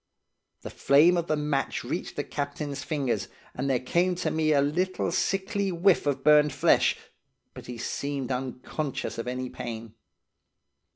The flame of the match reached the captain's fingers, and there came to me a little sickly whiff of burned flesh, but he seemed unconscious of any pain.